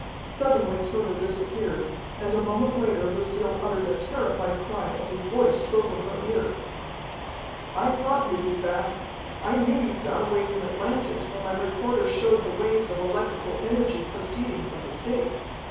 Suddenly Tode disappeared, and a moment later Lucille uttered a terrified cry as his voice spoke in her ear: "I thought you'd be back. I knew you'd got away from Atlantis when my recorder showed the waves of electrical energy proceeding from the city.